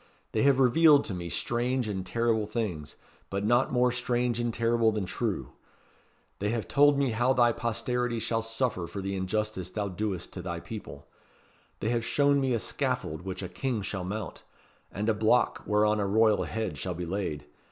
They have revealed to me strange and terrible things but not more strange and terrible than true. They have told me how thy posterity shall suffer for the injustice thou doest to thy people. They have shown me a scaffold which a King shall mount and a block whereon a royal head shall be laid.